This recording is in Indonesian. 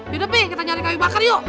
yuk depi kita cari kayu bakar yuk